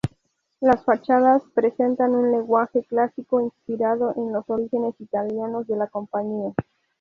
Las fachadas presentan un lenguaje clásico inspirado en los orígenes italianos de la compañía.